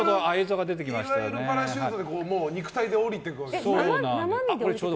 いわゆるパラシュートで肉体で降りていくんですね。